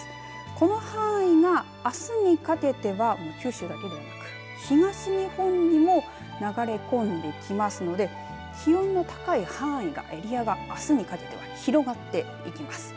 この範囲があすにかけては九州だけではなく東日本にも流れ込んできますので気温の高い範囲がエリアがあすにかけては広がっていきます。